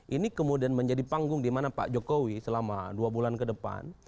ini kemudian menjadi panggung di mana pak jokowi selama dua bulan ke depan